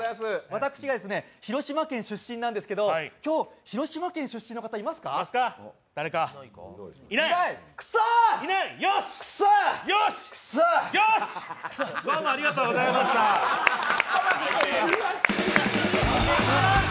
私が広島県出身なんですけど、今日、広島県出身の方いらっしゃいますか？